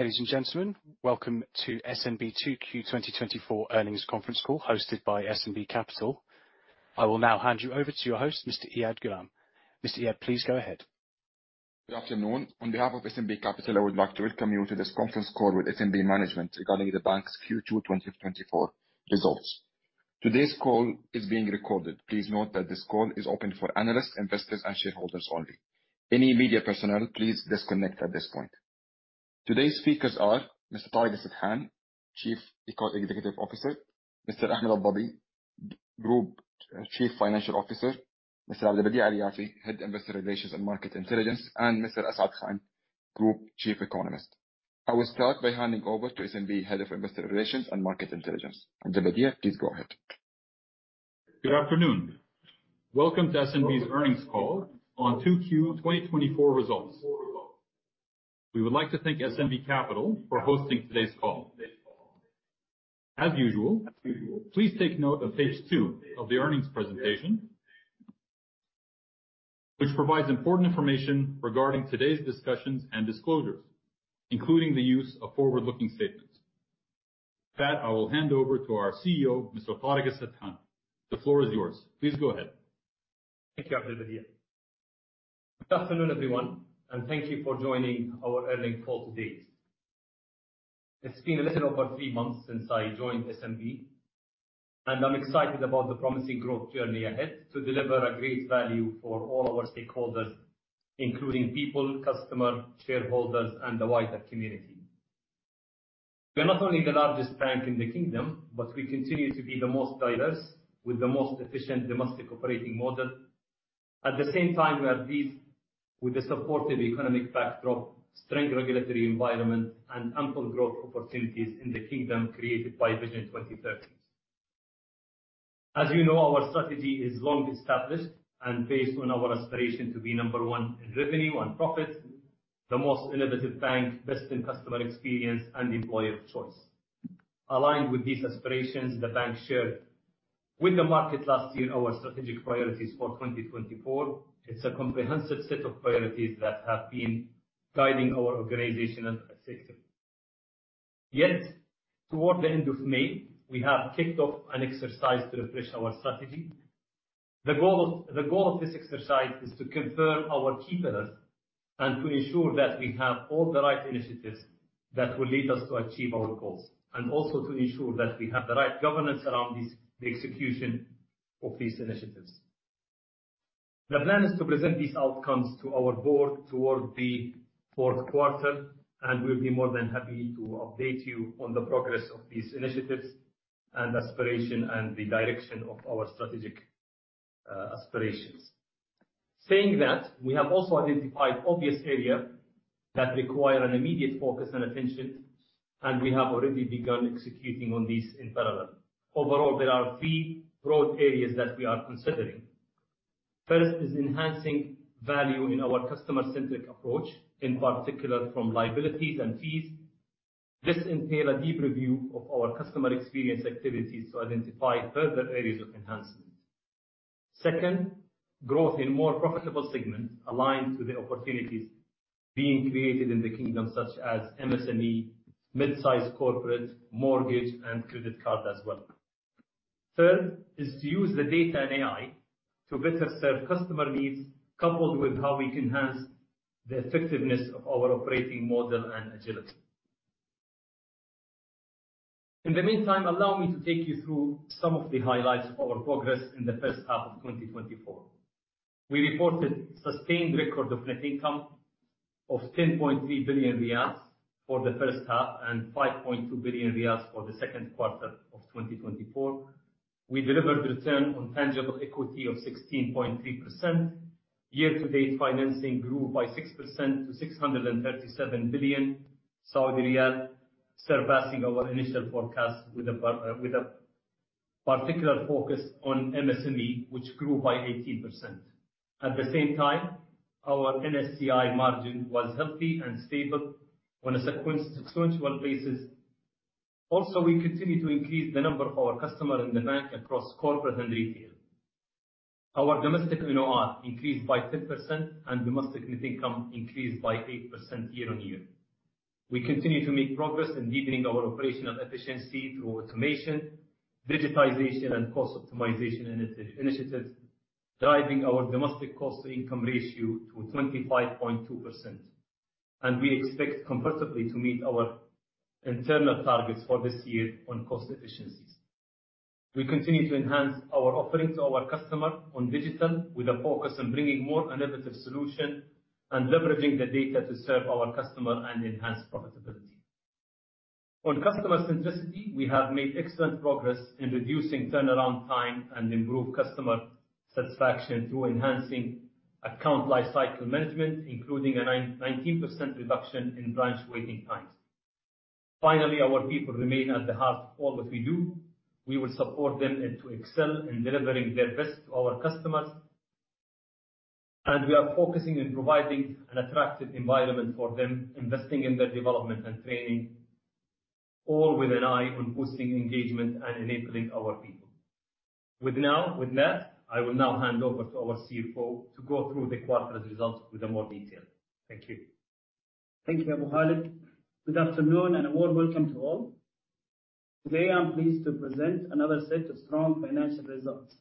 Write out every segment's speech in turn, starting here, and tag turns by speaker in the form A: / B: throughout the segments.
A: Ladies and gentlemen, welcome to SNB 2Q 2024 Earnings Conference Call hosted by SNB Capital. I will now hand you over to your host, Mr. Iyad Ghulam. Mr. Iyad, please go ahead.
B: Good afternoon. On behalf of SNB Capital, I would like to welcome you to this conference call with SNB management regarding the bank's Q2 2024 results. Today's call is being recorded. Please note that this call is open for analysts, investors, and shareholders only. Any media personnel, please disconnect at this point. Today's speakers are Mr. Tareq Al-Sadhan, Chief Executive Officer, Mr. Ahmed Aldhabi, Group Chief Financial Officer, Mr. Abdulbadie Alyafi, Head Investor Relations and Market Intelligence, and Mr. Asad Khan, Group Chief Economist. I will start by handing over to SNB Head of Investor Relations and Market Intelligence. Abdulbadie, please go ahead.
C: Good afternoon. Welcome to SNB's earnings call on 2Q 2024 results. We would like to thank SNB Capital for hosting today's call. As usual, please take note of page two of the earnings presentation, which provides important information regarding today's discussions and disclosures, including the use of forward-looking statements. With that, I will hand over to our CEO, Mr. Tareq Al-Sadhan. The floor is yours. Please go ahead.
D: Thank you, Abdulbadie. Good afternoon, everyone, and thank you for joining our earnings call today. It's been a little over three months since I joined SNB, and I'm excited about the promising growth journey ahead to deliver a great value for all our stakeholders, including people, customer, shareholders, and the wider community. We are not only the largest bank in the kingdom, but we continue to be the most diverse with the most efficient domestic operating model. At the same time, we are pleased with the supportive economic backdrop, strong regulatory environment, and ample growth opportunities in the Kingdom created by Vision 2030. As you know, our strategy is long established and based on our aspiration to be number one in revenue and profits, the most innovative bank, best in customer experience and employer of choice. Aligned with these aspirations, the bank shared with the market last year our strategic priorities for 2024. It's a comprehensive set of priorities that have been guiding our organization and success. Yet, toward the end of May, we have kicked off an exercise to refresh our strategy. The goal of this exercise is to confirm our key pillars and to ensure that we have all the right initiatives that will lead us to achieve our goals, and also to ensure that we have the right governance around these, the execution of these initiatives. The plan is to present these outcomes to our board toward the fourth quarter, and we'll be more than happy to update you on the progress of these initiatives and aspirations and the direction of our strategic aspirations. Saying that, we have also identified obvious area that require an immediate focus and attention, and we have already begun executing on these in parallel. Overall, there are three broad areas that we are considering. First is enhancing value in our customer-centric approach, in particular from liabilities and fees. This entail a deep review of our customer experience activities to identify further areas of enhancement. Second, growth in more profitable segments aligned to the opportunities being created in the Kingdom such as MSME, mid-size corporate, mortgage, and credit card as well. Third is to use the data and AI to better serve customer needs, coupled with how we can enhance the effectiveness of our operating model and agility. In the meantime, allow me to take you through some of the highlights of our progress in the first half of 2024. We reported sustained record of net income of 10.3 billion riyals for the first half and 5.2 billion riyals for the second quarter of 2024. We delivered return on tangible equity of 16.3%. Year to date, financing grew by 6% to 637 billion Saudi riyal, surpassing our initial forecast with a particular focus on MSME, which grew by 18%. At the same time, our NSCI margin was healthy and stable on a sequential basis. We continue to increase the number of our customer in the bank across corporate and retail. Our domestic NOI increased by 10% and domestic net income increased by 8% year-on-year. We continue to make progress in deepening our operational efficiency through automation, digitization and cost optimization initiatives, driving our domestic cost-to-income ratio to 25.2%. We expect comfortably to meet our internal targets for this year on cost efficiencies. We continue to enhance our offerings to our customer on digital with a focus on bringing more innovative solution and leveraging the data to serve our customer and enhance profitability. On customer centricity, we have made excellent progress in reducing turnaround time and improve customer satisfaction through enhancing account lifecycle management, including a 19% reduction in branch waiting times. Finally, our people remain at the heart of all that we do. We will support them and to excel in delivering their best to our customers, and we are focusing in providing an attractive environment for them, investing in their development and training. All with an eye on boosting engagement and enabling our people. With that, I will now hand over to our CFO to go through the quarter's results with more detail. Thank you.
E: Thanks, Abu Khaled. Good afternoon, and a warm welcome to all. Today, I'm pleased to present another set of strong financial results.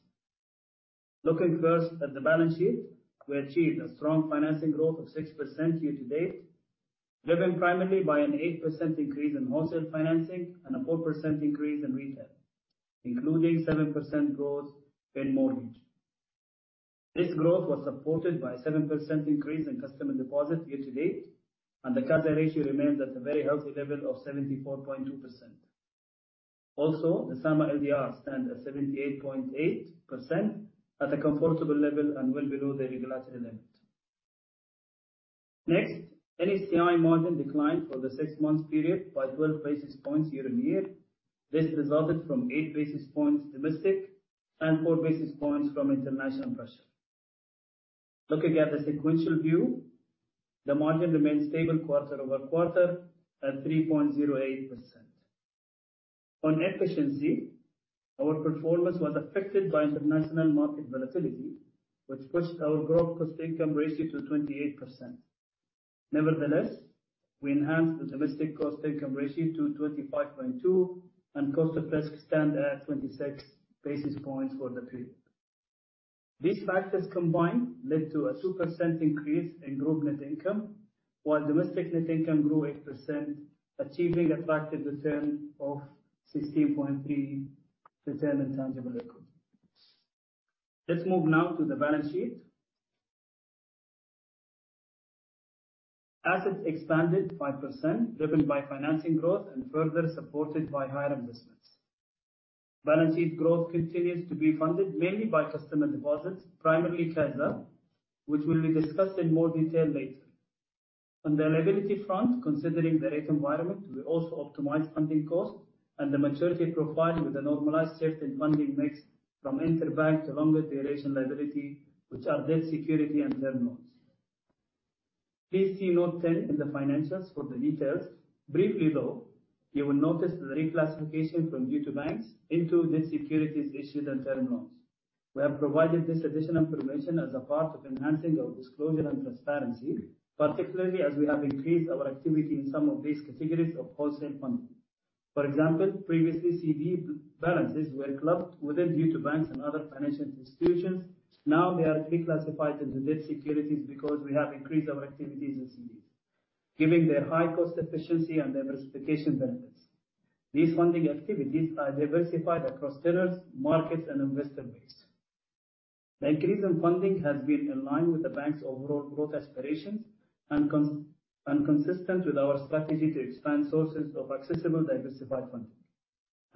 E: Looking first at the balance sheet, we achieved a strong financing growth of 6% year-to-date, driven primarily by an 8% increase in wholesale financing and a 4% increase in retail, including 7% growth in mortgage. This growth was supported by a 7% increase in customer deposits year-to-date, and the capital ratio remains at a very healthy level of 74.2%. Also, the SAMA LDR stands at 78.8% at a comfortable level and well below the regulatory limit. Next, NSCI margin declined for the six months period by 12 basis points year-on-year. This resulted from 8 basis points domestic and 4 basis points from international pressure. Looking at the sequential view, the margin remains stable quarter-over-quarter at 3.08%. On efficiency, our performance was affected by international market volatility, which pushed our gross cost income ratio to 28%. Nevertheless, we enhanced the domestic cost income ratio to 25.2% and cost of risk stand at 26 basis points for the period. These factors combined led to a 2% increase in group net income, while domestic net income grew 8%, achieving attractive return of 16.3% return on tangible equity. Let's move now to the balance sheet. Assets expanded 5%, driven by financing growth and further supported by higher investments. Balance sheet growth continues to be funded mainly by customer deposits, primarily CASA, which will be discussed in more detail later. On the liability front, considering the rate environment, we also optimized funding costs and the maturity profile with a normalized shift in funding mix from interbank to longer duration liability, which are debt securities and term loans. Please see note 10 in the financials for the details. Briefly, though, you will notice the reclassification from due to banks into debt securities issued and term loans. We have provided this additional information as a part of enhancing our disclosure and transparency, particularly as we have increased our activity in some of these categories of wholesale funding. For example, previously, CD balances were clubbed within due to banks and other financial institutions. Now they are reclassified into debt securities because we have increased our activities in CDs, given their high cost efficiency and diversification benefits. These funding activities are diversified across tenors, markets, and investor base. The increase in funding has been in line with the bank's overall growth aspirations and consistent with our strategy to expand sources of accessible, diversified funding.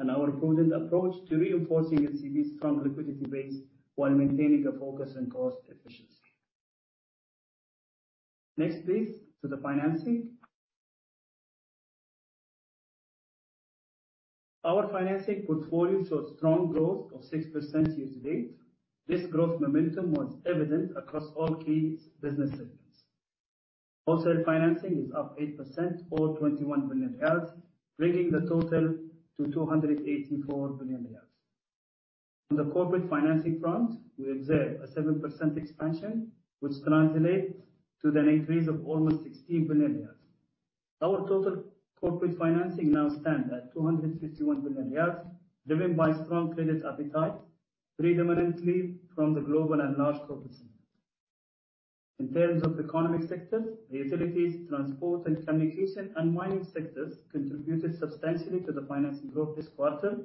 E: Our prudent approach to reinforcing SNB's strong liquidity base while maintaining a focus on cost efficiency. Next, please, to the financing. Our financing portfolio saw strong growth of 6% year-to-date. This growth momentum was evident across all key business segments. Wholesale financing is up 8% or SAR 21 billion, bringing the total to SAR 284 billion. On the corporate financing front, we observed a 7% expansion, which translates to an increase of almost 60 billion. Our total corporate financing now stand at 251 billion, driven by strong credit appetite, predominantly from the global and large corporate centers. In terms of economic sectors, the utilities, transport, and communication, and mining sectors contributed substantially to the financing growth this quarter,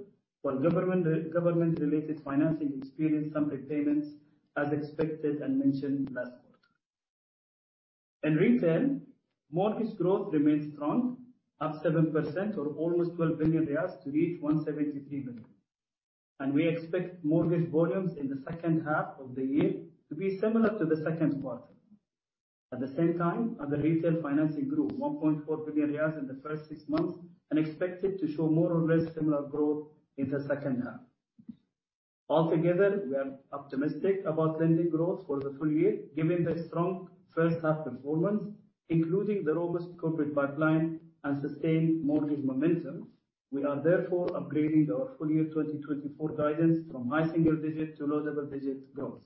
E: while government-related financing experienced some repayments as expected and mentioned last quarter. In retail, mortgage growth remains strong, up 7% or almost 12 billion riyals to reach 173 billion. We expect mortgage volumes in the second half of the year to be similar to the second quarter. At the same time, other retail financing grew 1.4 billion riyals in the first six months and expected to show more or less similar growth in the second half. Altogether, we are optimistic about lending growth for the full year, given the strong first half performance, including the robust corporate pipeline and sustained mortgage momentum. We are therefore upgrading our full-year 2024 guidance from high single digit to low double digit growth.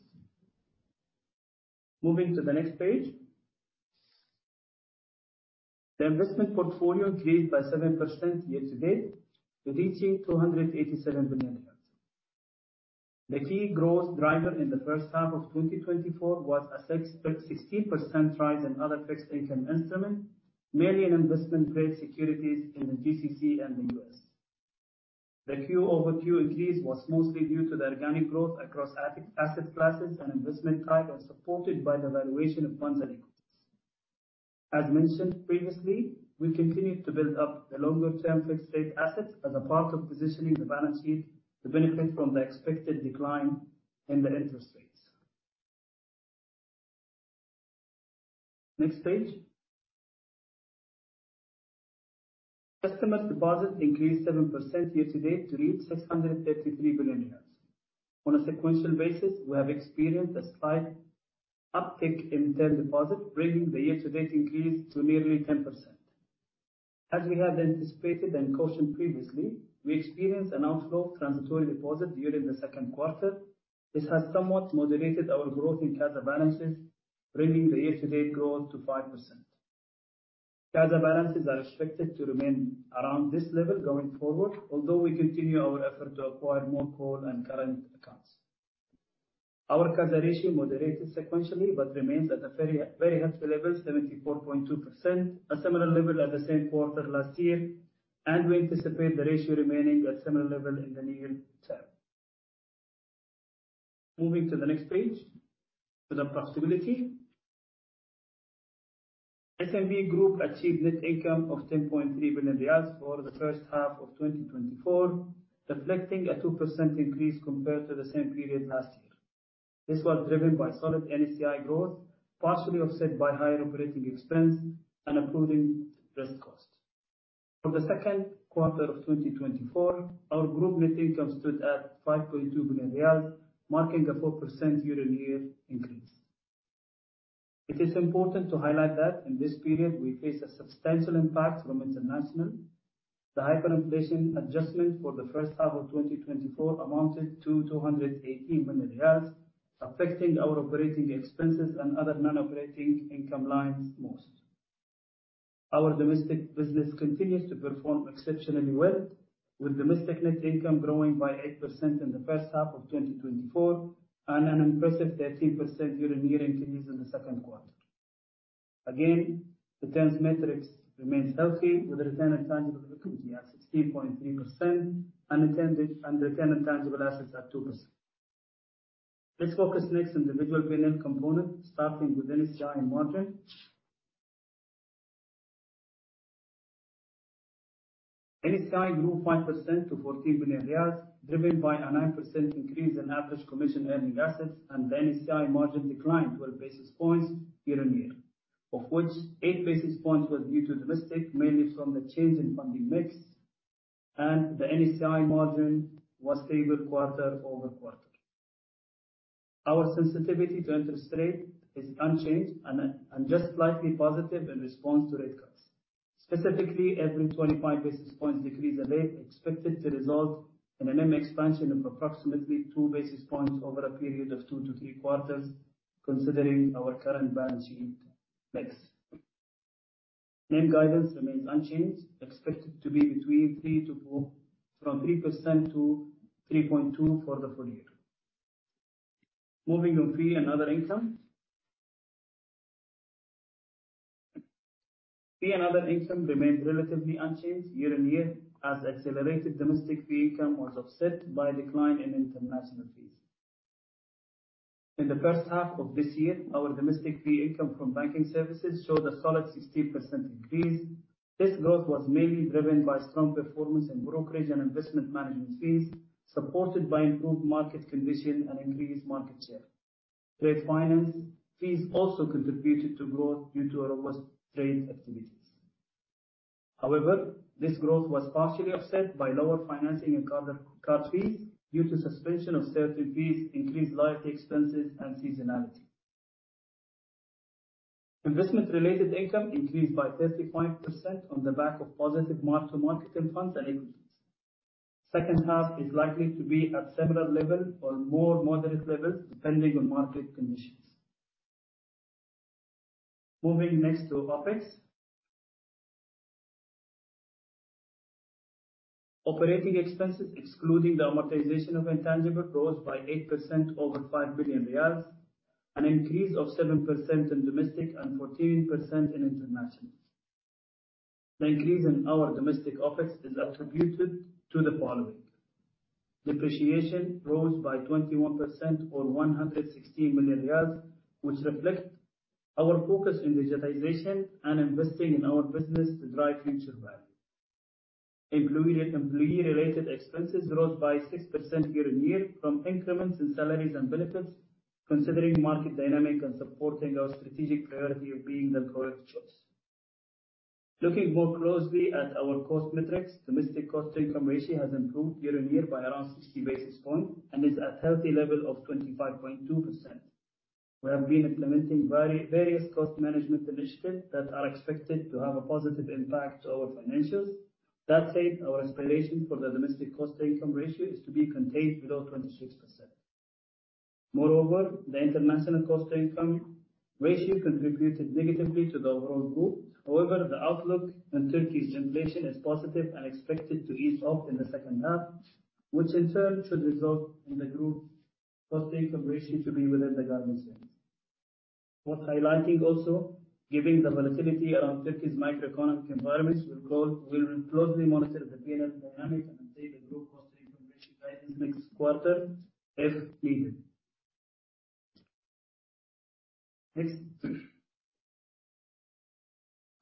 E: Moving to the next page. The investment portfolio increased by 7% year-to-date, reaching 287 billion. The key growth driver in the first half of 2024 was a 6.16% rise in other fixed income instruments, mainly in investment-grade securities in the GCC and the U.S.. The QoQ increase was mostly due to the organic growth across asset classes and investment type, and supported by the valuation of bonds and equities. As mentioned previously, we continue to build up the longer-term fixed rate assets as a part of positioning the balance sheet to benefit from the expected decline in the interest rates. Next page. Customer deposits increased 7% year-to-date to reach 633 billion. On a sequential basis, we have experienced a slight uptick in term deposits, bringing the year-to-date increase to nearly 10%. As we had anticipated and cautioned previously, we experienced an outflow of transitory deposits during the second quarter. This has somewhat moderated our growth in CASA balances, bringing the year-to-date growth to 5%. CASA balances are expected to remain around this level going forward, although we continue our effort to acquire more core and current accounts. Our CASA ratio moderated sequentially but remains at a very, very healthy level, 74.2%, a similar level at the same quarter last year, and we anticipate the ratio remaining at similar level in the near term. Moving to the next page, to the profitability. SNB Group achieved net income of 10.3 billion for the first half of 2024, reflecting a 2% increase compared to the same period last year. This was driven by solid NSCI growth, partially offset by higher operating expense and improving interest costs. For the second quarter of 2024, our group net income stood at 5.2 billion riyal, marking a 4% year-on-year increase. It is important to highlight that in this period, we faced a substantial impact from international. The hyperinflation adjustment for the first half of 2024 amounted to 218 billion riyals, affecting our operating expenses and other non-operating income lines most. Our domestic business continues to perform exceptionally well, with domestic net income growing by 8% in the first half of 2024 and an impressive 13% year-on-year increase in the second quarter. Again, the terms metrics remains healthy, with return on tangible equity at 16.3% and return on tangible assets at 2%. Let's focus next on the individual P&L component, starting with NSCI margin. NSCI grew 5% to 14 billion riyals, driven by a 9% increase in average commission earning assets and the NSCI margin declined 12 basis points year-on-year, of which 8 basis points was due to domestic, mainly from the change in funding mix, and the NSCI margin was stable quarter-over-quarter. Our sensitivity to interest rate is unchanged and just slightly positive in response to rate cuts. Specifically, every 25 basis points decrease in rate expected to result in an NIM expansion of approximately 2 basis points over a period of 2 quarters-3 quarters, considering our current balance sheet mix. NIM guidance remains unchanged, expected to be from 3%-3.2% for the full year. Moving on fee and other income. Fee and other income remains relatively unchanged year-on-year, as accelerated domestic fee income was offset by a decline in international fees. In the first half of this year, our domestic fee income from banking services showed a solid 16% increase. This growth was mainly driven by strong performance in brokerage and investment management fees, supported by improved market condition and increased market share. Trade finance fees also contributed to growth due to robust trade activities. However, this growth was partially offset by lower financing and card fees due to suspension of certain fees, increased liability expenses and seasonality. Investment-related income increased by 35% on the back of positive mark-to-market in funds and equities. Second half is likely to be at similar level or more moderate levels, depending on market conditions. Moving next to OpEx. Operating expenses, excluding the amortization of intangibles, rose by 8% over 5 billion riyals, an increase of 7% in domestic and 14% in international. The increase in our domestic OpEx is attributed to the following. Depreciation rose by 21% or 116 million riyals, which reflects our focus in digitization and investing in our business to drive future value. Employee-related expenses rose by 6% year-on-year from increments in salaries and benefits, considering market dynamics and supporting our strategic priority of being the growth choice. Looking more closely at our cost metrics, domestic cost-to-income ratio has improved year-on-year by around 60 basis points and is at healthy level of 25.2%. We have been implementing various cost management initiatives that are expected to have a positive impact to our financials. That said, our aspiration for the domestic cost-to-income ratio is to be contained below 26%. Moreover, the international cost-to-income ratio contributed negatively to the overall group. However, the outlook in Turkey's inflation is positive and expected to ease off in the second half, which in turn should result in the group cost-to-income ratio to be within the guidance range. Worth highlighting also, given the volatility around Turkey's macroeconomic environment, we will closely monitor the P&L dynamics and update the group cost-to-income ratio guidance next quarter if needed. Next.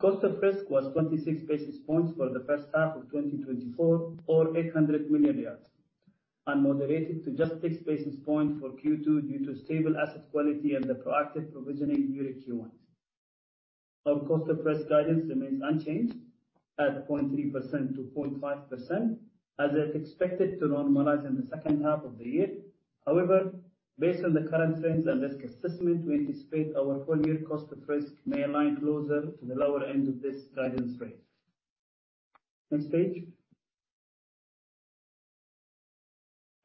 E: Cost of risk was 26 basis points for the first half of 2024 or 800 million, and moderated to just 6 basis points for Q2 due to stable asset quality and the proactive provisioning during Q1. Our cost of risk guidance remains unchanged at 0.3%-0.5%, as it's expected to normalize in the second half of the year. However, based on the current trends and risk assessment, we anticipate our full-year cost of risk may align closer to the lower end of this guidance range.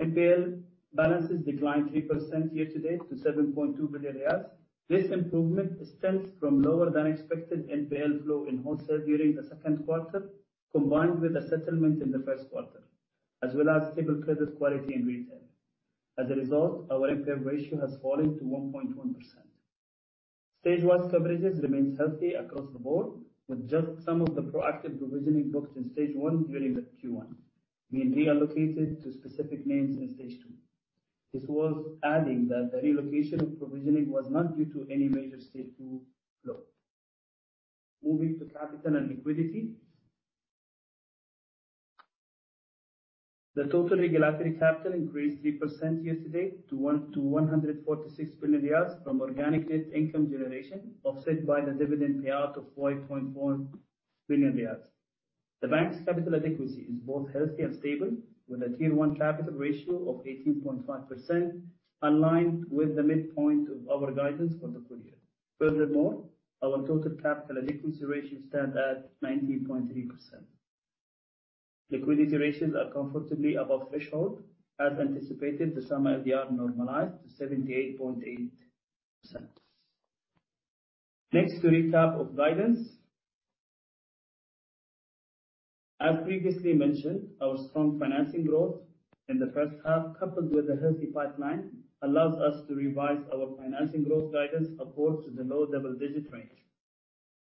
E: Next page. NPL balances declined 3% year-to-date to 7.2 billion riyal. This improvement stems from lower than expected NPL flow in wholesale during the second quarter, combined with a settlement in the first quarter, as well as stable credit quality in retail. As a result, our NPL ratio has fallen to 1.1%. Stage 1 coverages remain healthy across the board, with just some of the proactive provisioning booked in Stage 1 during the Q1 being reallocated to specific names in Stage 2. This was adding that the relocation of provisioning was not due to any major Stage 2 flow. Moving to capital and liquidity. The total regulatory capital increased 3% year-to-date to 146 billion riyals from organic net income generation, offset by the dividend payout of 4.4 billion riyals. The bank's capital adequacy is both healthy and stable, with a tier-one capital ratio of 18.5%, aligned with the midpoint of our guidance for the full year. Furthermore, our total capital adequacy ratio stands at 19.3%. Liquidity ratios are comfortably above threshold as anticipated, with some LDR normalized to 78.8%. Next, to recap of guidance. As previously mentioned, our strong financing growth in the first half, coupled with a healthy pipeline, allows us to revise our financing growth guidance upwards to the low double-digit range.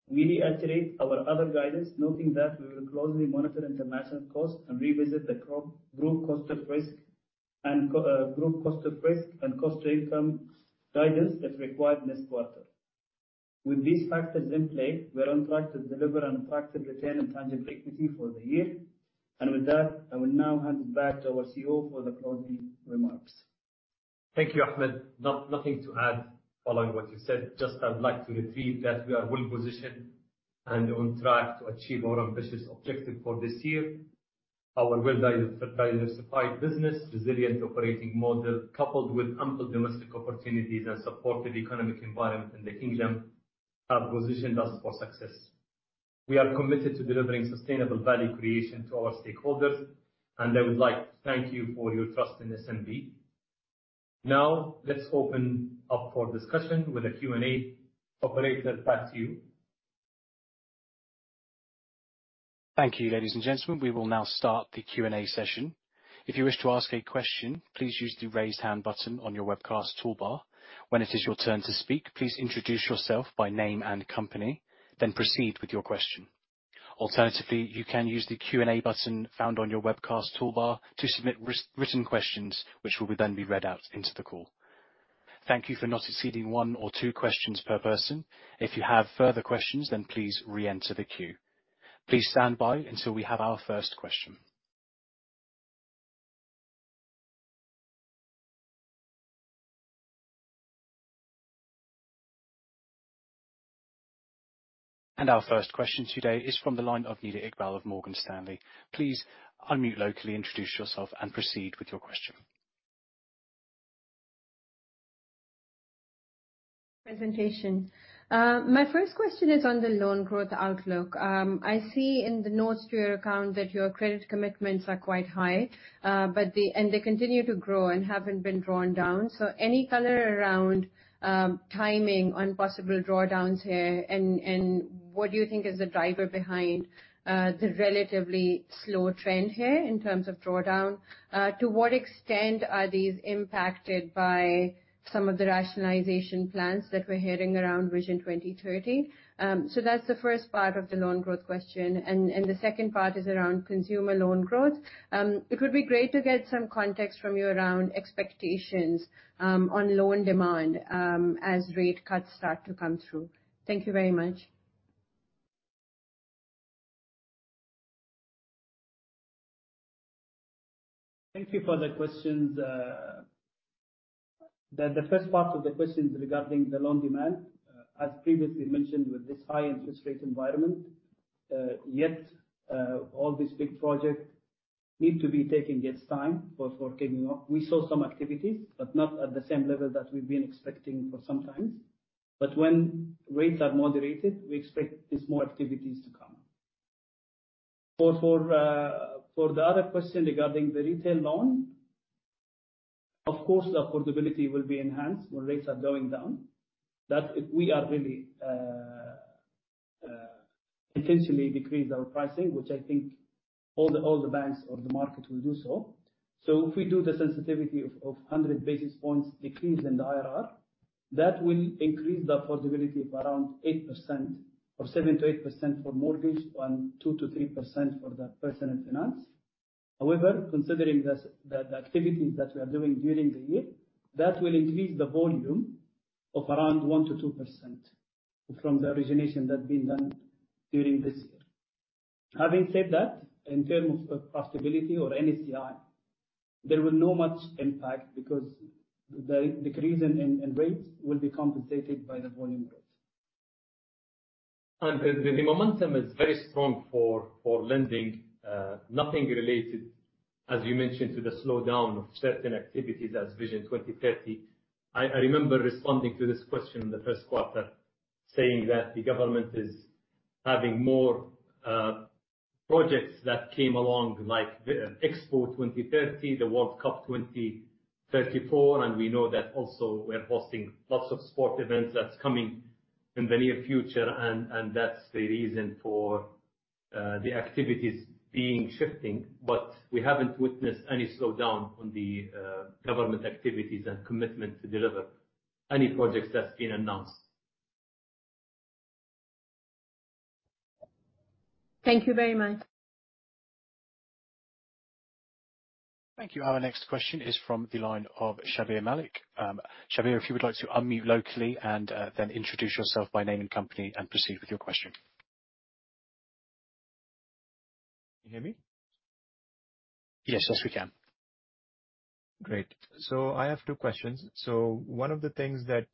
E: We reiterate our other guidance, noting that we will closely monitor inflation costs and revisit the group cost of risk and cost to income guidance as required next quarter. With these factors in play, we're on track to deliver an attractive return on tangible equity for the year. With that, I will now hand it back to our CEO for the closing remarks.
D: Thank you, Ahmed. Nothing to add following what you said. Just I'd like to repeat that we are well-positioned and on track to achieve our ambitious objective for this year. Our well-diversified business, resilient operating model, coupled with ample domestic opportunities and supportive economic environment in the Kingdom, have positioned us for success. We are committed to delivering sustainable value creation to our stakeholders, and I would like to thank you for your trust in SNB. Now, let's open up for discussion with a Q&A. Operator, back to you.
A: Thank you, ladies and gentlemen. We will now start the Q&A session. If you wish to ask a question, please use the Raise Hand button on your webcast toolbar. When it is your turn to speak, please introduce yourself by name and company, then proceed with your question. Alternatively, you can use the Q&A button found on your webcast toolbar to submit written questions, which will then be read out into the call. Thank you for not exceeding one or two questions per person. If you have further questions, then please re-enter the queue. Please stand by until we have our first question. Our first question today is from the line of Nida Iqbal of Morgan Stanley. Please unmute locally, introduce yourself and proceed with your question.
F: Presentation. My first question is on the loan growth outlook. I see in the notes to your account that your credit commitments are quite high, but they continue to grow and haven't been drawn down. Any color around timing on possible drawdowns here and what do you think is the driver behind the relatively slow trend here in terms of drawdown? To what extent are these impacted by some of the rationalization plans that we're hearing around Vision 2030? That's the first part of the loan growth question. The second part is around consumer loan growth. It would be great to get some context from you around expectations on loan demand as rate cuts start to come through. Thank you very much.
E: Thank you for the questions. The first part of the question is regarding the loan demand. As previously mentioned, with this high interest rate environment, all these big projects need to be taking its time for coming up. We saw some activities, but not at the same level that we've been expecting for some times. When rates are moderated, we expect there's more activities to come. For the other question regarding the retail loan, of course, affordability will be enhanced when rates are going down. That we are really intentionally decrease our pricing, which I think all the banks or the market will do so. If we do the sensitivity of 100 basis points decrease in the IRR, that will increase the affordability of around 8% or 7%-8% for mortgage and 2%-3% for the personal finance. However, considering the activities that we are doing during the year, that will increase the volume of around 1%-2% from the origination that's been done during this year. Having said that, in terms of profitability or NSCI, there is not much impact because the decrease in rates will be compensated by the volume growth.
D: The momentum is very strong for lending, nothing related, as you mentioned, to the slowdown of certain activities as Vision 2030. I remember responding to this question in the first quarter, saying that the government is having more projects that came along like Expo 2030, the World Cup 2034, and we know that also we're hosting lots of sport events that's coming in the near future and that's the reason for the activities being shifting. We haven't witnessed any slowdown on the government activities and commitment to deliver any projects that's been announced.
F: Thank you very much.
A: Thank you. Our next question is from the line of Shabbir Malik. Shabbir, if you would like to unmute locally and then introduce yourself by name and company and proceed with your question.
G: Can you hear me?
A: Yes. Yes, we can.
G: Great. I have two questions. One of the things that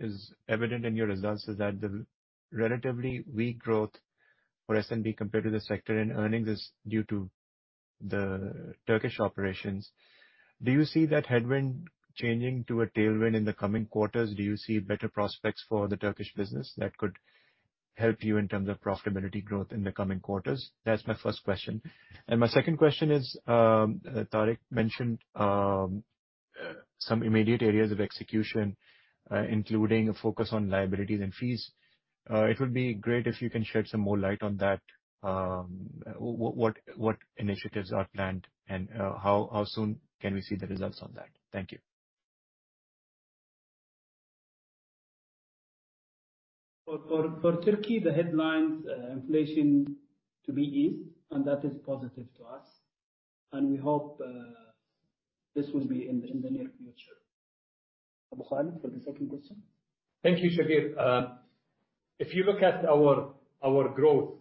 G: is evident in your results is that the relatively weak growth for SNB compared to the sector and earnings is due to the Turkish operations. Do you see that headwind changing to a tailwind in the coming quarters? Do you see better prospects for the Turkish business that could help you in terms of profitability growth in the coming quarters? That's my first question. My second question is, Tareq mentioned some immediate areas of execution, including a focus on liabilities and fees. It would be great if you can shed some more light on that. What initiatives are planned and how soon can we see the results of that? Thank you.
E: For Turkey, the headlines, inflation to be eased, and that is positive to us. We hope this will be in the near future. Abu Khaled, for the second question.
D: Thank you, Shabbir. If you look at our growth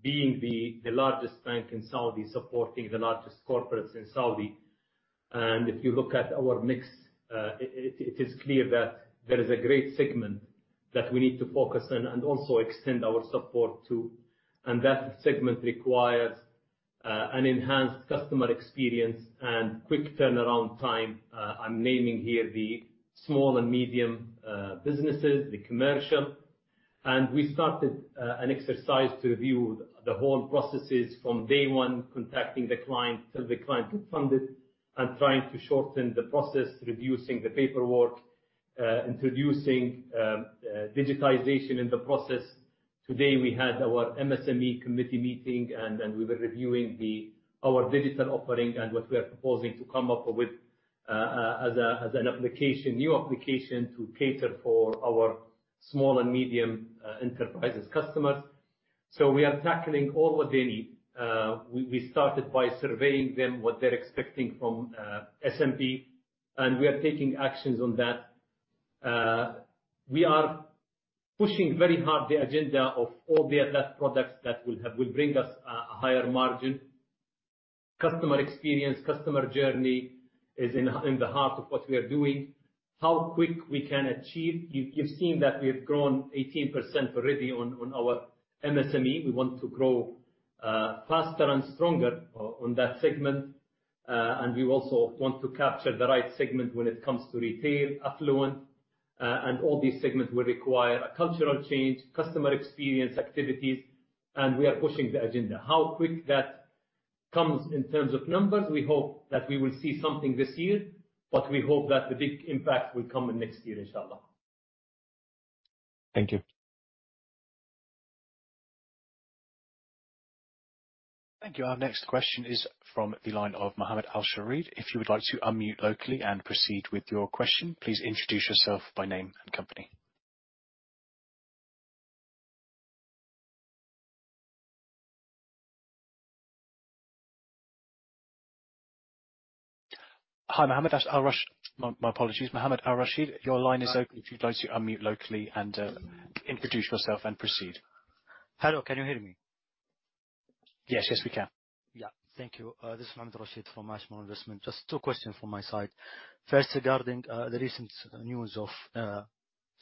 D: being the largest bank in Saudi, supporting the largest corporates in Saudi, and if you look at our mix, it is clear that there is a great segment that we need to focus on and also extend our support to. That segment requires an enhanced customer experience and quick turnaround time. I'm naming here the small and medium businesses, the commercial. We started an exercise to review the whole processes from day one, contacting the client till the client got funded and trying to shorten the process, reducing the paperwork, introducing digitization in the process. Today, we had our MSME committee meeting and we were reviewing the, our digital offering and what we are proposing to come up with, as an application, new application to cater for our small and medium enterprises customers. We are tackling all what they need. We started by surveying them, what they're expecting from MSME, and we are taking actions on that. We are pushing very hard the agenda of all the other products that will bring us a higher margin. Customer experience, customer journey is in the heart of what we are doing. How quick we can achieve. You've seen that we have grown 18% already on our MSME. We want to grow faster and stronger on that segment. We also want to capture the right segment when it comes to retail, affluent, and all these segments will require a cultural change, customer experience activities, and we are pushing the agenda. How quick that comes in terms of numbers, we hope that we will see something this year, but we hope that the big impact will come in next year, Inshallah.
G: Thank you.
A: Thank you. Our next question is from the line of Mohammed Al-Rasheed. If you would like to unmute locally and proceed with your question, please introduce yourself by name and company. Hi, Mohammed Al-Rasheed. My apologies. Mohammed Al-Rasheed, your line is open. If you'd like to unmute locally and introduce yourself and proceed.
H: Hello, can you hear me?
A: Yes. Yes, we can.
H: Yeah. Thank you. This is Mohammed Al-Rasheed from Ashmore. Just two questions from my side. First, regarding the recent news of the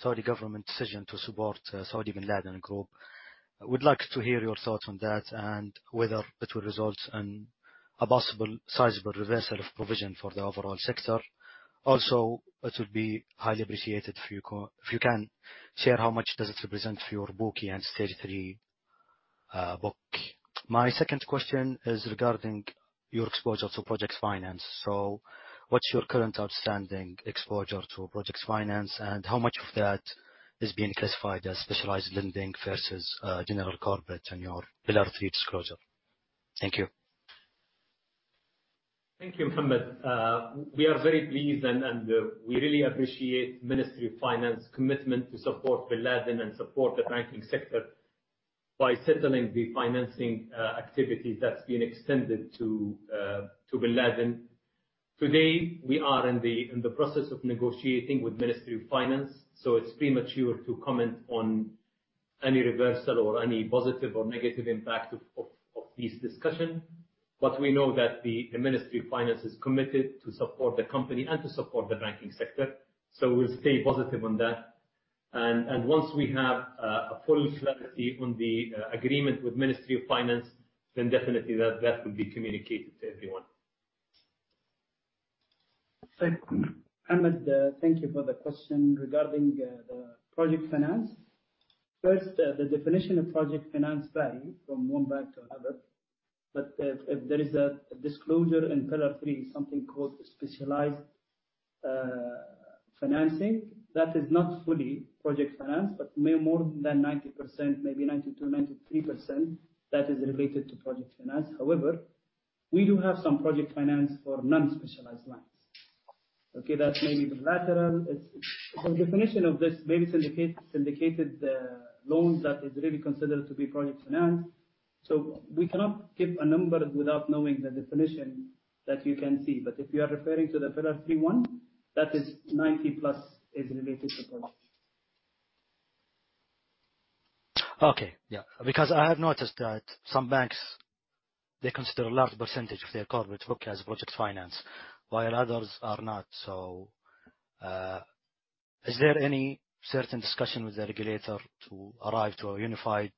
H: Saudi government decision to support Saudi Binladin Group. I would like to hear your thoughts on that and whether it will result in a possible sizable reversal of provision for the overall sector. Also, it would be highly appreciated if you can share how much does it represent for your book and Stage 3 book. My second question is regarding your exposure to project finance. So what's your current outstanding exposure to project finance, and how much of that is being classified as specialized lending versus general corporate on your Pillar 3 disclosure? Thank you.
D: Thank you, Mohammed. We are very pleased and we really appreciate Ministry of Finance commitment to support Binladin and support the banking sector by settling the financing activities that's been extended to Binladin. Today, we are in the process of negotiating with Ministry of Finance, so it's premature to comment on any reversal or any positive or negative impact of this discussion. We know that the Ministry of Finance is committed to support the company and to support the banking sector. We're staying positive on that. Once we have a full clarity on the agreement with Ministry of Finance, then definitely that will be communicated to everyone.
E: Thank you. Ahmed, thank you for the question regarding the project finance. First, the definition of project finance vary from one bank to another, but there is a disclosure in Pillar 3, something called specialized financing. That is not fully project finance, but may more than 90%, maybe 92%, 93% that is related to project finance. However, we do have some project finance for non-specialized banks. Okay, that may be the latter. It's the definition of this may be syndicated loans that is really considered to be project finance. So we cannot give a number without knowing the definition that you can see. But if you are referring to the Pillar 3 one, that is 90%+ is related to project.
H: I have noticed that some banks, they consider a large percentage of their corporate book as project finance, while others are not. Is there any certain discussion with the regulator to arrive to a unified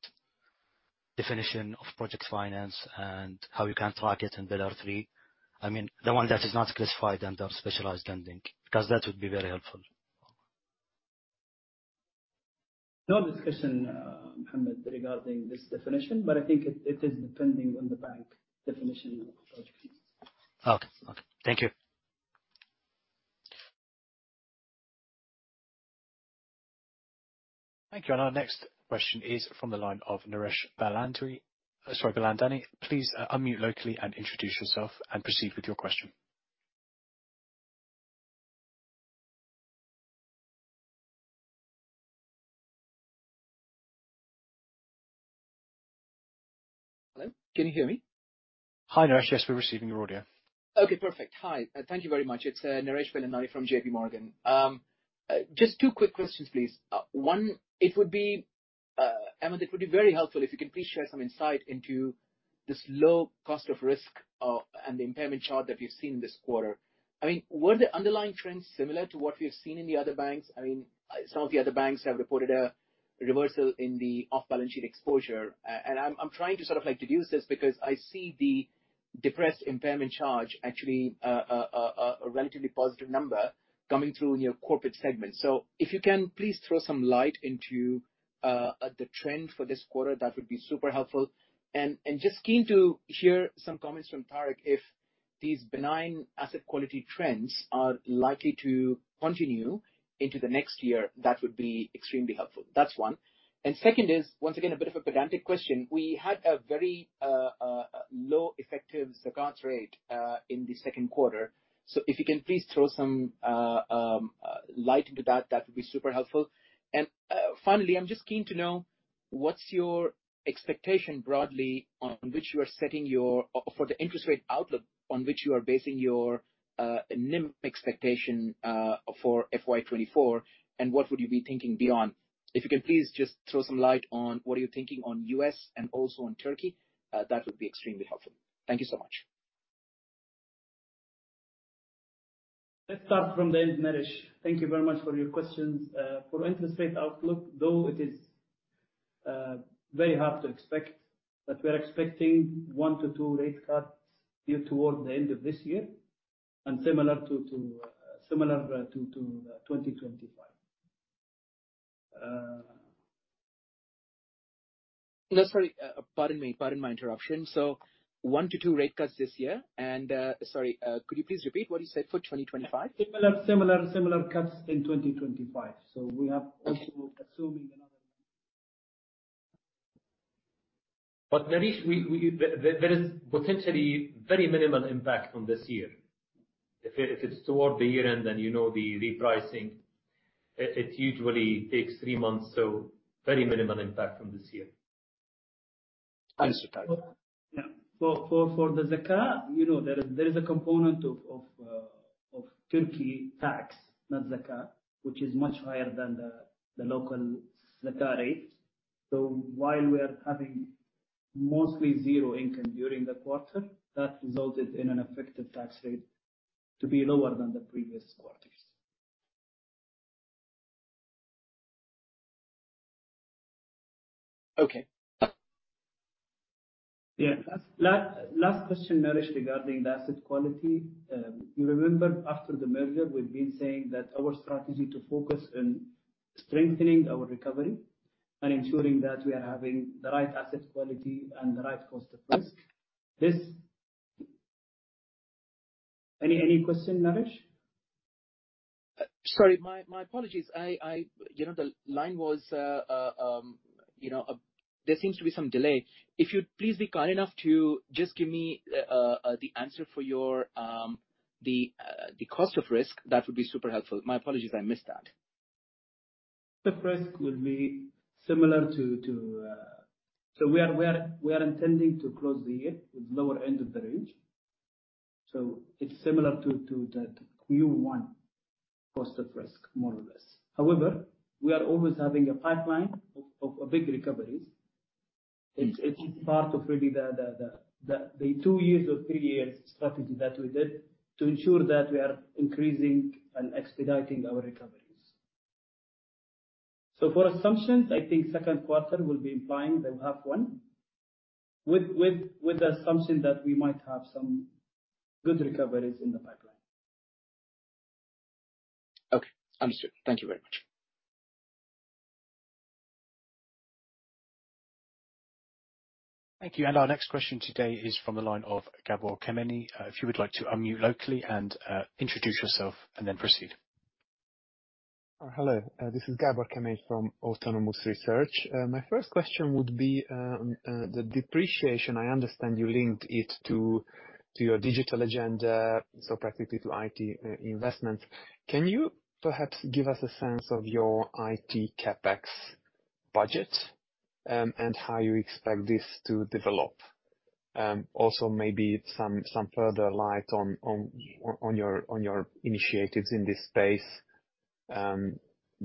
H: definition of project finance and how you can track it in Pillar 3? I mean, the one that is not classified under specialized lending, because that would be very helpful.
E: No discussion, Ahmed, regarding this definition, but I think it is depending on the bank definition of project finance.
H: Okay. Thank you.
A: Thank you. Our next question is from the line of Naresh Bilandani. Sorry, Bilandani. Please, unmute locally and introduce yourself and proceed with your question.
I: Hello, can you hear me?
A: Hi, Naresh. Yes, we're receiving your audio.
I: Okay, perfect. Hi, thank you very much. It's Naresh Bilandani from JPMorgan. Just two quick questions, please. Ahmed, it would be very helpful if you can please share some insight into this low cost of risk and the impairment charge that we've seen this quarter. I mean, were the underlying trends similar to what we have seen in the other banks? I mean, some of the other banks have reported a reversal in the off-balance sheet exposure. I'm trying to sort of like deduce this because I see the depressed impairment charge actually a relatively positive number coming through in your corporate segment. If you can please throw some light into the trend for this quarter, that would be super helpful. Just keen to hear some comments from Tareq, if these benign asset quality trends are likely to continue into the next year, that would be extremely helpful. That's one. Second is, once again, a bit of a pedantic question. We had a very low effective Zakat rate in the second quarter. If you can please throw some light into that would be super helpful. Finally, I'm just keen to know what's your expectation for the interest rate outlook on which you are basing your NIM expectation for FY 2024, and what would you be thinking beyond. If you can please just throw some light on what you're thinking on U.S. and also on Turkey, that would be extremely helpful. Thank you so much.
E: Let's start from the end, Naresh. Thank you very much for your questions. For interest rate outlook, though it is very hard to expect, but we're expecting 1%-2% rate cuts here towards the end of this year, and similar to 2025.
I: No, sorry. Pardon my interruption. 1%-2% rate cuts this year and, sorry, could you please repeat what you said for 2025?
E: Similar cuts in 2025. We have also assuming another one
D: Naresh, there is potentially very minimal impact from this year. If it's toward the year-end, then you know the repricing, it usually takes three months, so very minimal impact from this year.
I: Understood.
E: For the Zakat, you know, there is a component of Turkey tax, not Zakat, which is much higher than the local Zakat rate. While we are having mostly zero income during the quarter, that resulted in an effective tax rate to be lower than the previous quarters.
I: Okay.
E: Yeah. Last question, Naresh, regarding the asset quality. You remember after the merger, we've been saying that our strategy to focus on strengthening our recovery and ensuring that we are having the right asset quality and the right cost of risk. Any question, Naresh?
I: Sorry, my apologies. You know, the line was, you know, there seems to be some delay. If you'd please be kind enough to just give me the answer for your the cost of risk, that would be super helpful. My apologies, I missed that.
E: The risk will be similar. We are intending to close the year with lower end of the range. It's similar to that Q1 cost of risk, more or less. However, we are always having a pipeline of big recoveries. It's just part of really the two years or three years strategy that we did to ensure that we are increasing and expediting our recoveries. For assumptions, I think second quarter will be implying the half one with the assumption that we might have some good recoveries in the pipeline.
I: Okay. Understood. Thank you very much.
A: Thank you. Our next question today is from the line of Gabor Kemeny. If you would like to unmute locally and introduce yourself and then proceed.
J: Hello, this is Gabor Kemeny from Autonomous Research. My first question would be the depreciation. I understand you linked it to your digital agenda, so practically to IT investments. Can you perhaps give us a sense of your IT CapEx budget and how you expect this to develop? Also maybe some further light on your initiatives in this space,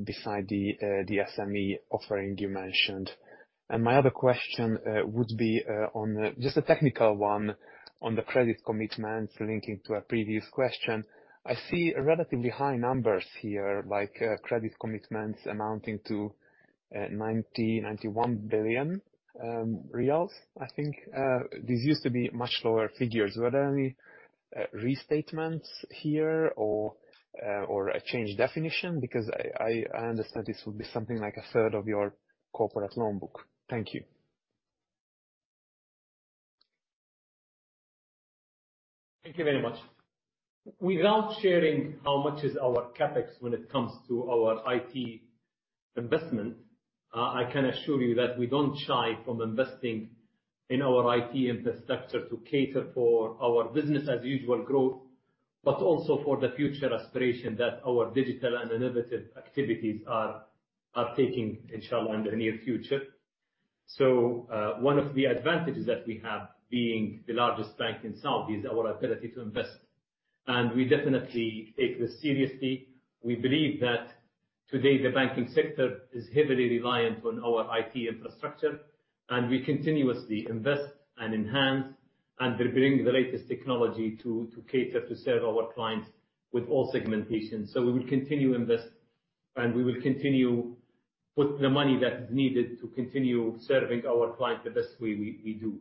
J: beside the SME offering you mentioned. My other question would be on just a technical one on the credit commitment linking to a previous question. I see relatively high numbers here, like credit commitments amounting to 90, SAR 91 billion, I think. This used to be much lower figures. Were there any restatements here or a changed definition? Because I understand this would be something like a third of your corporate loan book. Thank you.
D: Thank you very much. Without sharing how much is our CapEx when it comes to our IT investment, I can assure you that we don't shy from investing in our IT infrastructure to cater for our business as usual growth, but also for the future aspiration that our digital and innovative activities are taking, Inshallah, in the near future. One of the advantages that we have, being the largest bank in Saudi, is our ability to invest. We definitely take this seriously. We believe that today the banking sector is heavily reliant on our IT infrastructure, and we continuously invest and enhance and we bring the latest technology to cater to serve our clients with all segmentations. We will continue invest, and we will continue put the money that is needed to continue serving our clients the best way we do.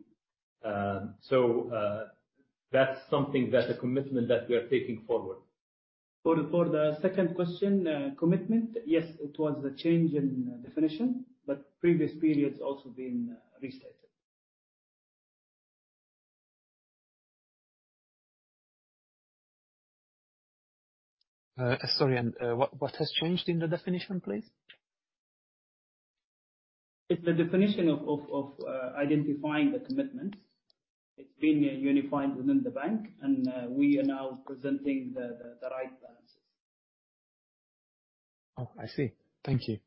D: That's something that's a commitment that we are taking forward.
E: For the second question, commitment, yes, it was a change in definition, but previous periods also been restated.
J: Sorry, what has changed in the definition, please?
E: It's the definition of identifying the commitments. It's been unified within the bank, and we are now presenting the right balances.
J: Oh, I see. Thank you.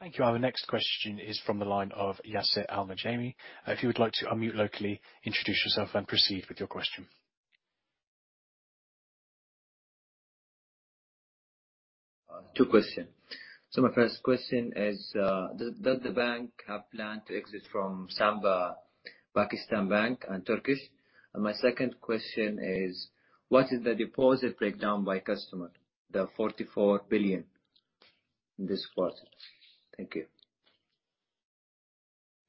A: Thank you. Our next question is from the line of Yasser Al-Najemi. If you would like to unmute locally, introduce yourself, and proceed with your question.
K: Two questions. My first question is, does the bank have plan to exit from Samba Pakistan Bank and Turkish? My second question is, what is the deposit breakdown by customer? The 44 billion in this quarter. Thank you.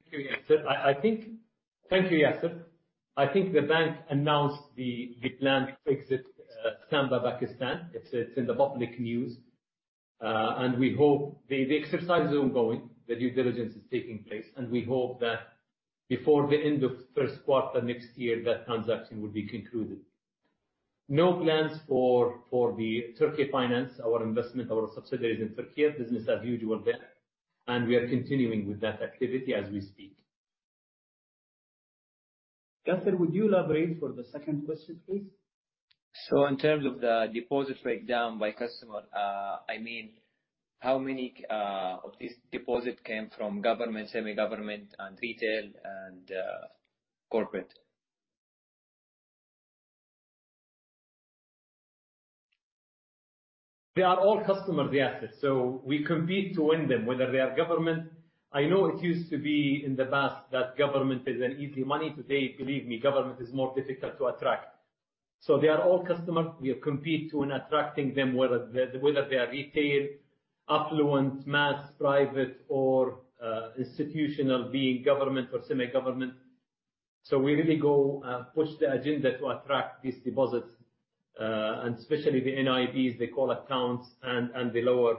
D: Thank you, Yasser. I think the bank announced the planned exit, Samba Pakistan. It's in the public news. We hope the exercise is ongoing. The due diligence is taking place, and we hope that before the end of first quarter next year, that transaction will be concluded. No plans for the Türkiye Finans. Our investment, subsidiaries in Turkey are business as usual there, and we are continuing with that activity as we speak.
E: Yasser, would you elaborate for the second question, please?
K: In terms of the deposit breakdown by customer, I mean, how many of these deposits came from government, semi-government, and retail and corporate?
D: They are all customers, the assets, so we compete to win them, whether they are government. I know it used to be in the past that government is easy money. Today, believe me, government is more difficult to attract. They are all customers. We compete to attract them, whether they are retail, affluent, mass, private, or institutional, being government or semi-government. We really push the agenda to attract these deposits, and especially the NIBs, the call accounts and the lower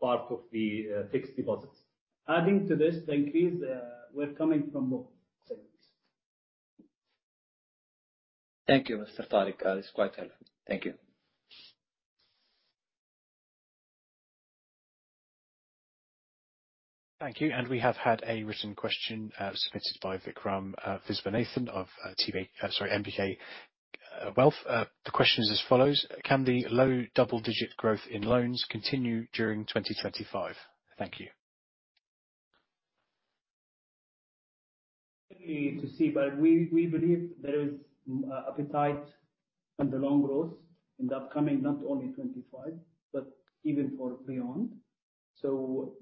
D: part of the fixed deposits.
E: Adding to this, the increase were coming from both sides.
K: Thank you, Mr. Tareq. That is quite helpful. Thank you.
A: Thank you. We have had a written question submitted by Vikram Viswanathan of NBK Wealth. The question is as follows: Can the low double-digit growth in loans continue during 2025? Thank you.
E: We believe there is appetite for the loan growth in the upcoming, not only 2025, but even beyond.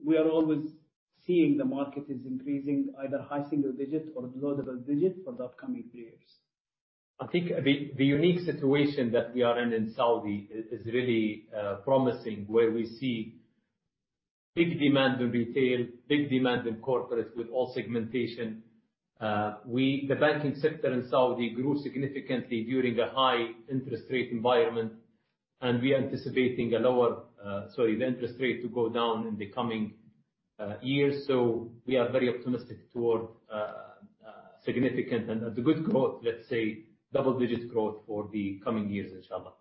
E: We are always seeing the market is increasing either high single-digit or low double-digit for the upcoming three years.
D: I think the unique situation that we are in in Saudi is really promising, where we see big demand in retail, big demand in corporate with all segmentation. The banking sector in Saudi grew significantly during a high interest rate environment, and we are anticipating the interest rate to go down in the coming years. We are very optimistic toward significant and a good growth, let's say double-digit growth for the coming years, Inshallah.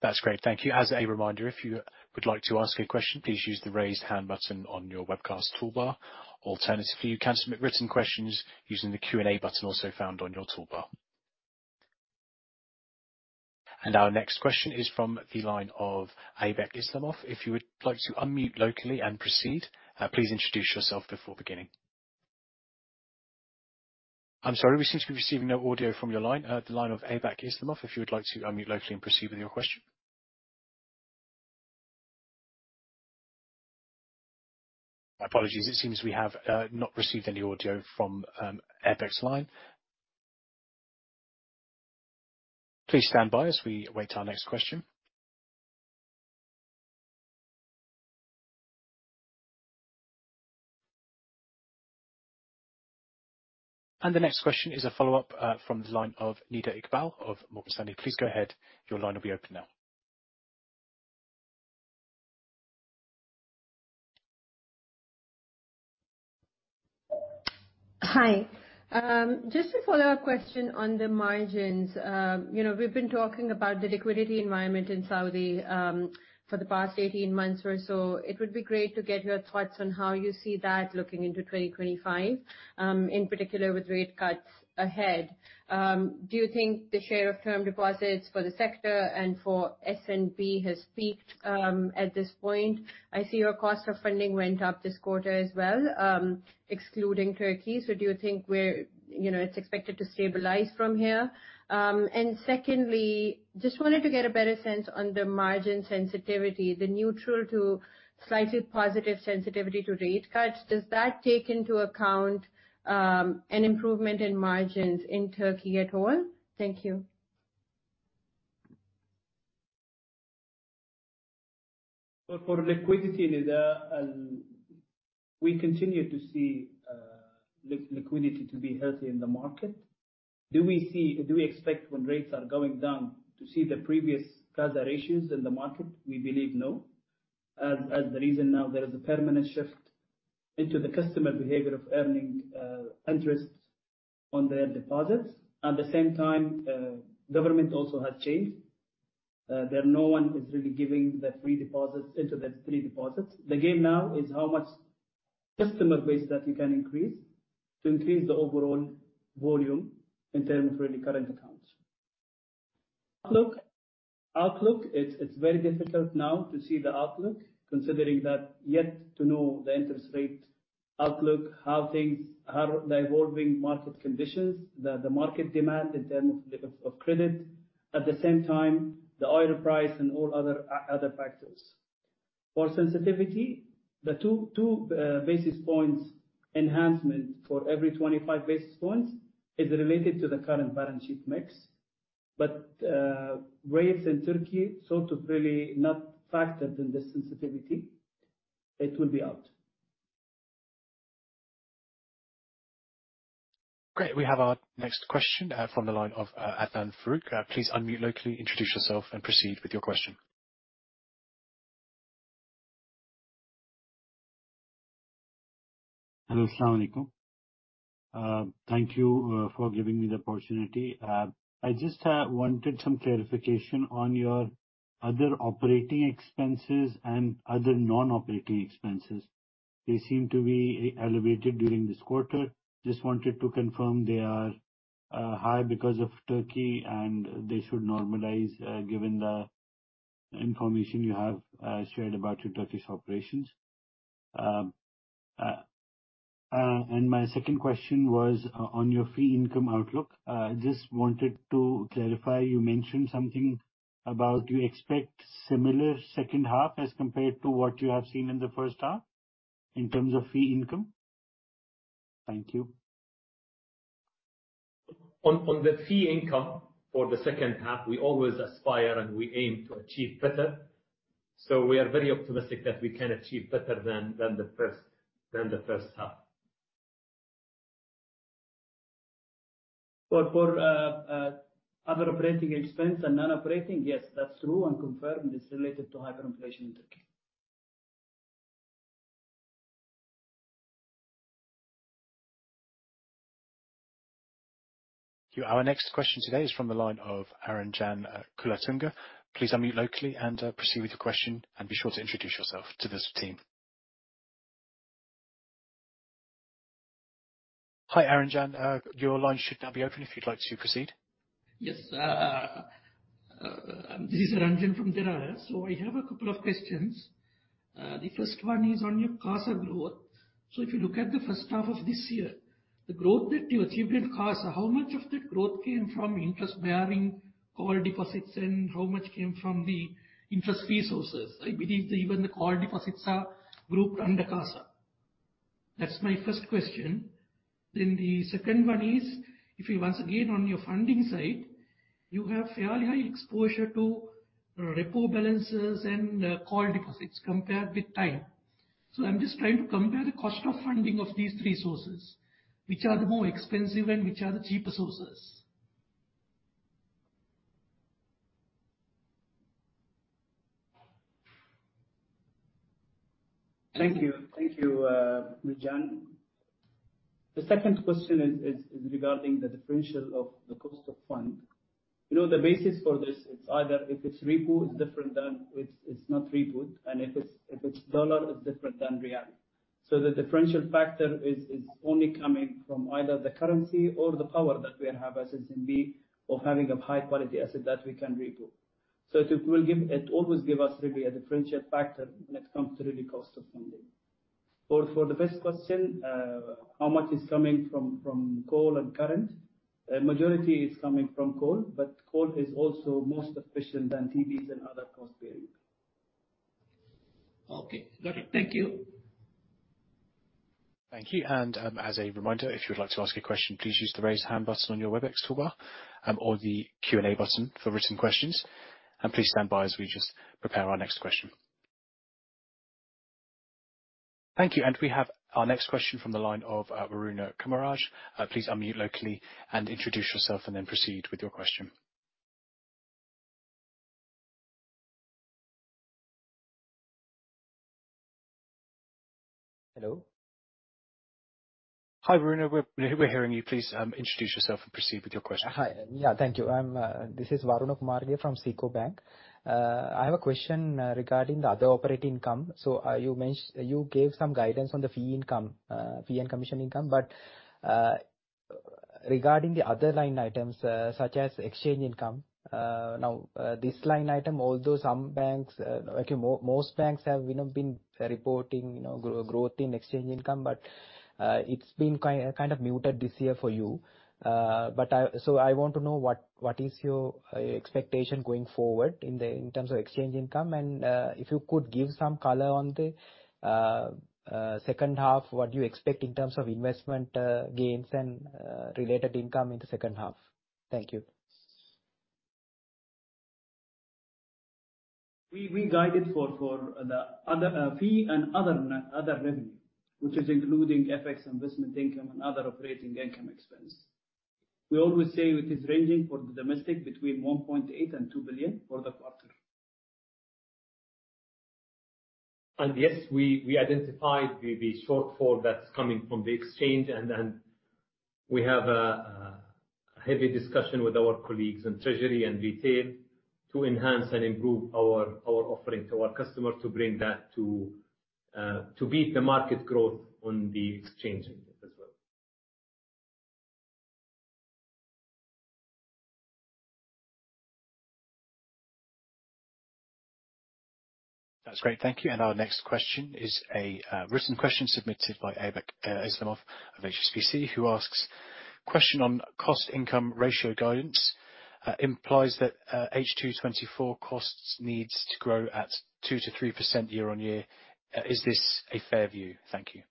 A: That's great. Thank you. As a reminder, if you would like to ask a question, please use the Raise Hand button on your webcast toolbar. Alternatively, you can submit written questions using the Q&A button also found on your toolbar. Our next question is from the line of Aybek Islamov. If you would like to unmute locally and proceed, please introduce yourself before beginning. I'm sorry. We seem to be receiving no audio from your line. The line of Aybek Islamov, if you would like to unmute locally and proceed with your question. Apologies, it seems we have not received any audio from Aybek's line. Please stand by as we await our next question. The next question is a follow-up from the line of Nida Iqbal of Morgan Stanley. Please go ahead. Your line will be open now.
F: Hi. Just a follow-up question on the margins. You know, we've been talking about the liquidity environment in Saudi for the past 18 months or so. It would be great to get your thoughts on how you see that looking into 2025, in particular with rate cuts ahead. Do you think the share of term deposits for the sector and for SNB has peaked at this point? I see your cost of funding went up this quarter as well, excluding Turkey. Do you think we're, you know, it's expected to stabilize from here? And secondly, just wanted to get a better sense on the margin sensitivity, the neutral to slightly positive sensitivity to rate cuts. Does that take into account an improvement in margins in Turkey at all? Thank you.
E: For liquidity, Nida, we continue to see liquidity to be healthy in the market. Do we expect when rates are going down to see the previous liquidity issues in the market? We believe no. The reason now there is a permanent shift in the customer behavior of earning interest on their deposits. At the same time, government also has changed. No one is really giving the free deposits into the free deposits. The game now is how much customer base that you can increase to increase the overall volume in terms of retail current accounts. Outlook, it's very difficult now to see the outlook considering that yet to know the interest rate outlook, how things. How the evolving market conditions, the market demand in terms of credit, at the same time, the oil price and all other factors. For sensitivity, the 2 basis points enhancement for every 25 basis points is related to the current balance sheet mix. Rates in Turkey sort of really not factored in this sensitivity. It will be out.
A: Great. We have our next question from the line of Adnan Farooq. Please unmute locally, introduce yourself, and proceed with your question.
L: Assalamu alaikum. Thank you for giving me the opportunity. I just wanted some clarification on your other operating expenses and other non-operating expenses. They seem to be elevated during this quarter. Just wanted to confirm they are high because of Turkey, and they should normalize given the information you have shared about your Turkish operations. My second question was on your fee income outlook. Just wanted to clarify, you mentioned something about you expect similar second half as compared to what you have seen in the first half in terms of fee income. Thank you.
D: On the fee income for the second half, we always aspire and we aim to achieve better. We are very optimistic that we can achieve better than the first half.
E: For other operating expense and non-operating, yes, that's true and confirmed it's related to hyperinflation in Turkey.
A: Our next question today is from the line of Eranjan Kulatunga. Please unmute locally and proceed with your question and be sure to introduce yourself to this team. Hi, Eranjan. Your line should now be open if you'd like to proceed.
M: Yes. This is Eranjan from Derayah. I have a couple of questions. The first one is on your CASA growth. If you look at the first half of this year, the growth that you achieved in CASA, how much of that growth came from non-interest-bearing core deposits, and how much came from the interest-bearing resources? I believe even the core deposits are grouped under CASA. That's my first question. The second one is, if you look once again on your funding side, you have fairly high exposure to repo balances and core deposits compared with time deposits. I'm just trying to compare the cost of funding of these three sources, which are the more expensive and which are the cheaper sources.
E: Thank you. Thank you, Eranjan. The second question is regarding the differential of the cost of funds. You know, the basis for this, it's either if it's repo, it's different than if it's not repo. If it's dollar, it's different than riyal. The differential factor is only coming from either the currency or the power that we have as SNB of having a high quality asset that we can repo. It will always give us really a differential factor when it comes to really cost of funding. For the first question, how much is coming from call and current, majority is coming from call, but call is also most efficient than TDs and other cost-bearing.
M: Okay. Got it. Thank you.
A: Thank you. As a reminder, if you would like to ask a question, please use the Raise Hand button on your WebEx toolbar, or the Q&A button for written questions. Please stand by as we just prepare our next question. Thank you. We have our next question from the line of Waruna Kumarage. Please unmute locally and introduce yourself and then proceed with your question.
N: Hello.
A: Hi, Waruna. We're hearing you. Please, introduce yourself and proceed with your question.
N: Hi. Yeah. Thank you. This is Waruna Kumarage from SICO Bank. I have a question regarding the other operating income. You gave some guidance on the fee income, fee and commission income, but regarding the other line items, such as exchange income, now this line item, although some banks, okay, most banks have, you know, been reporting, you know, growth in exchange income, but it's been kind of muted this year for you. I want to know what is your expectation going forward in terms of exchange income, and if you could give some color on the second half, what you expect in terms of investment gains and related income in the second half. Thank you.
E: We guided for the other fee and other revenue, which is including FX investment income and other operating income and expense. We always say it is ranging for the domestic between 1.8 billion and 2 billion for the quarter.
D: Yes, we identified the shortfall that's coming from the exchange, and then we have a heavy discussion with our colleagues in treasury and retail to enhance and improve our offering to our customers to bring that to beat the market growth on the exchange as well.
A: That's great. Thank you. Our next question is a written question submitted by Aybek Islamov of HSBC, who asks, "Question on cost-income ratio guidance, implies that, H2 2024 costs needs to grow at 2%-3% year-on-year. Is this a fair view?" Thank you.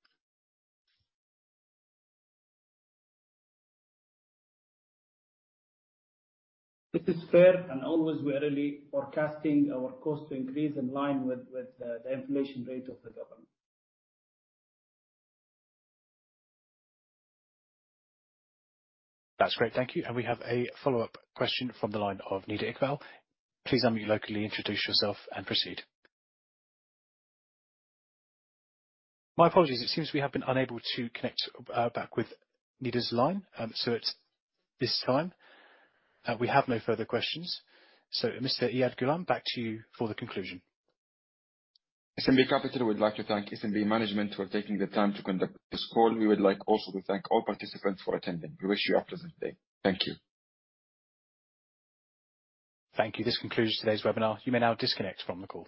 E: It is fair, and always we are really forecasting our cost to increase in line with the inflation rate of the government.
A: That's great. Thank you. We have a follow-up question from the line of Nida Iqbal. Please unmute locally, introduce yourself, and proceed. My apologies. It seems we have been unable to connect back with Nida's line. At this time, we have no further questions. Mr. Iyad Ghulam, back to you for the conclusion.
B: SNB Capital would like to thank SNB management for taking the time to conduct this call. We would like also to thank all participants for attending. We wish you a pleasant day. Thank you.
A: Thank you. This concludes today's webinar. You may now disconnect from the call.